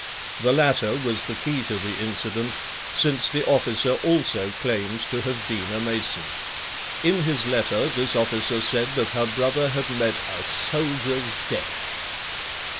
The latter was the key to the incident since the officer also claimed to have been a Mason. In his letter this officer said that her brother had met a soldier's death!